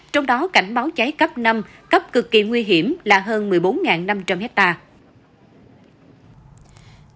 trong đó cảnh báo cháy cấp năm cấp cực kỳ nguy hiểm là hơn một mươi bốn năm trăm linh hectare